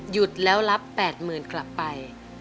หยุดแล้วรับแปดหมื่นกลับไป